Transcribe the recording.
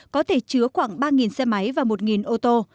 có thể chứa khoảng ba xe máy và một ô tô